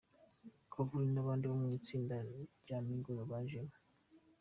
Quavo n’abandi bo mu itsinda rya Migos bajemo.